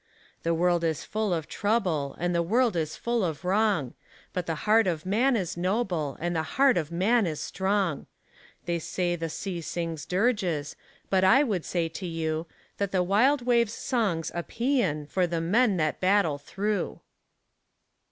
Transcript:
The world is full of trouble, And the world is full of wrong, But the heart of man is noble, And the heart of man is strong! They say the sea sings dirges, But I would say to you That the wild wave's song's a paean For the men that battle through.